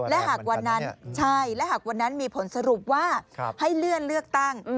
และหากวันนั้นมีผลสรุปว่าให้เลื่อนเลือกตั้ง